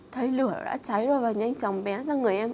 thấy lửa đã cháy ra và nhanh chóng bén ra người em